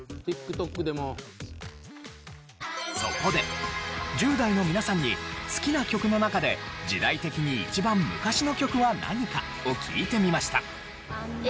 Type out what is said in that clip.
そこで１０代の皆さんに好きな曲の中で時代的に一番昔の曲は何かを聞いてみました。